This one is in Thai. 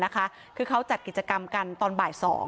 คือเขาจัดกิจกรรมกันตอนบ่าย๒